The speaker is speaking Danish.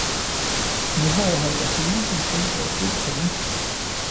Nu havde han da hele sin trillebør fuld af penge!